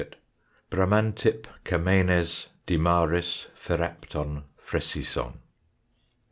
Bramantip camenes dimaris ferapton fresison.